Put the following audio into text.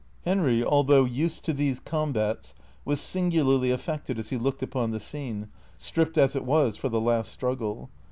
Henry, although used to these combats, was singularly afi'ected as he looked upon the scene, stripped as it was for the last strug gle.